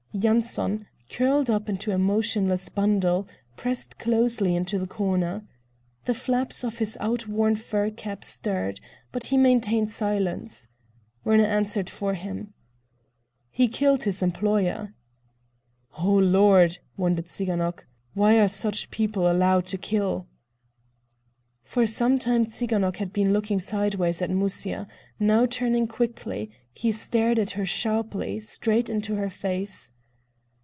Yanson, curled up into a motionless bundle, pressed closely into the corner. The flaps of his outworn fur cap stirred, but he maintained silence. Werner answered for him: "He killed his employer." "O Lord!" wondered Tsiganok. "Why are such people allowed to kill?" For some time Tsiganok had been looking sideways at Musya; now turning quickly, he stared at her sharply, straight into her face.